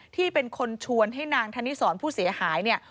ที่เป็นคนชวนให้นางธนิสรผู้เสียหายเนี่ย